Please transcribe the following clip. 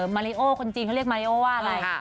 มาริโอคนจีนเขาเรียกมาริโอว่าอะไร